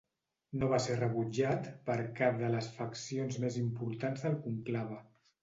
No va ser rebutjat per cap de les faccions més importants del conclave.